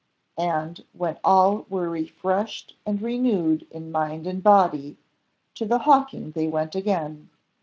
And when all were refreshed and renewed in mind and body, to the hawking they went again.